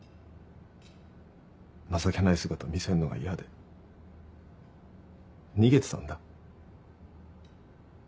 情けない姿見せんのが嫌で逃げてたんだ。